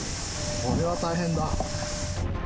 これは大変だ。